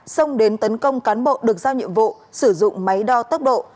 xông đến tấn công cán bộ được giao nhiệm vụ sử dụng máy đo tốc độ